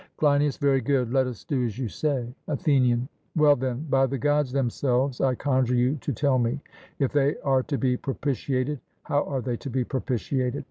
CLEINIAS: Very good; let us do as you say. ATHENIAN: Well, then, by the Gods themselves I conjure you to tell me if they are to be propitiated, how are they to be propitiated?